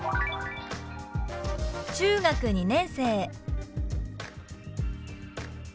「中学２年生」。